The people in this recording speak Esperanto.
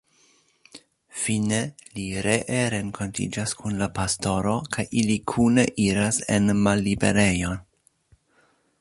Fine li ree renkontiĝas kun la pastoro kaj ili kune iras en malliberejon.